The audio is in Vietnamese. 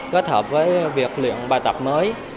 kết hợp với việc luyện bài tập mới